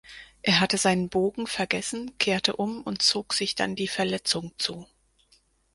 Er hatte seinen Bogen vergessen, kehrte um und zog sich dann die Verletzung zu.